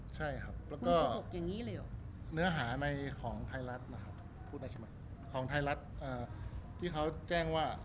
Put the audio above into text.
ใช่ครับแล้วก็เนื้อหาในของไทยรัฐนะครับพูดในฉบับของไทยรัฐที่เขาแจ้งว่า